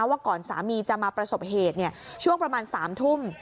ว่าก่อนสามีจะมาประสบเหตุช่วงประมาณ๓ทุ่ม